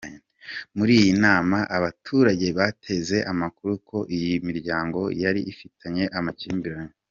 Muri iyi nama abaturage batanze amakuru ko iyi miryango yari ifitanye amakimbirane.